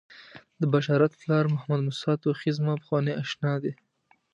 د بشارت پلار محمدموسی توخی زما پخوانی آشنا دی.